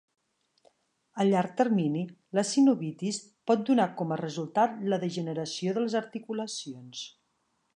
A llarg termini la sinovitis pot donar com a resultat la degeneració de les articulacions.